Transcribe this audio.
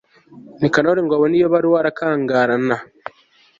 nikanori ngo abone iyo baruwa arakangarana